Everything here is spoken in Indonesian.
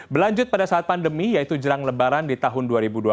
berlanjut pada saat pandemi yaitu jelang lebaran di tahun dua ribu dua puluh